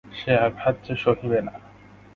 সে আঘাত যে সহিবে না।